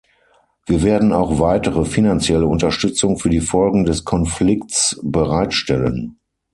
Wir werden auch weitere finanzielle Unterstützung für die Folgen des Konflikts bereitstellen.